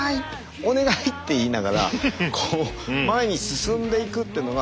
お願いって言いながら前に進んでいくってのが。